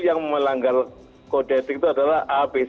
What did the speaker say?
yang melanggar kode etik itu adalah abc